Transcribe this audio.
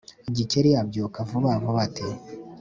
Gikeli abyuka vuba vuba ati «